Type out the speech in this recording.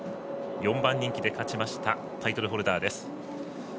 ４番人気で勝ちましたタイトルホルダーです。